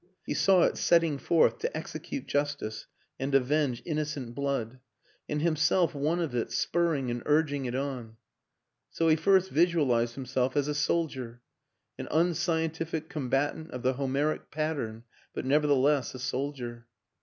He saw it setting forth to execute justice and avenge innocent blood ... and himself one of it, spurring and urging it on. So he first visualized himself as a soldier an unscientific combatant of the Homeric pat tern, but nevertheless a soldier.